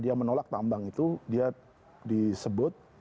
dia menolak tambang itu dia disebut